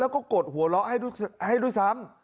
แล้วก็กดหัวล้อให้ดูซ้ำ